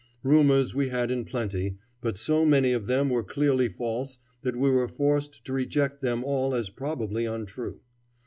Rumors we had in plenty, but so many of them were clearly false that we were forced to reject them all as probably untrue.